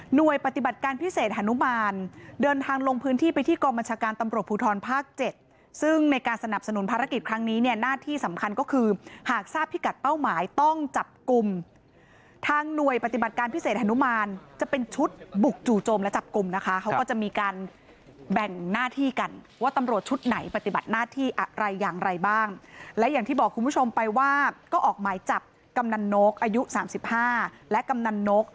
หน่วยปฏิบัติการพิเศษหนุมานเดินทางลงพื้นที่ไปที่กรมชาการตำรวจภูทรภาคเจ็ดซึ่งในการสนับสนุนภารกิจครั้งนี้เนี่ยหน้าที่สำคัญก็คือหากทราบพิกัดเป้าหมายต้องจับกลุ่มทางหน่วยปฏิบัติการพิเศษหนุมานจะเป็นชุดบุกจู่โจมและจับกลุ่มนะคะเขาก็จะมีการแบ่งหน้าที่กันว่าตำรวจชุดไหน